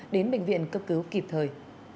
đến bệnh viện cấp cứu kịp thời